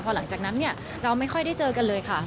เพราะหลังจากนั้นเราไม่ค่อยได้เจอกันเลยค่ะ